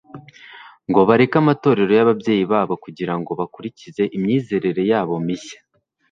ngo bareke amatorero y'ababyeyi babo kugira ngo bakurikize imyizerere yabo mishya.